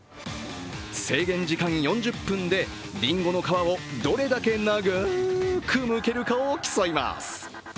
制限時間４０分でりんごの皮をどれだけ長くむけるかを競います。